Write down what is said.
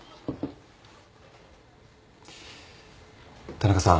田中さん。